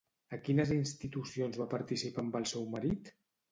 A quines institucions va participar amb el seu marit?